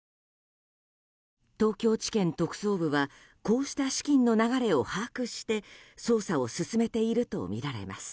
東京地検特捜部はこうした資金の流れを把握して捜査を進めているとみられます。